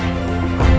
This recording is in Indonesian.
mari syekh guru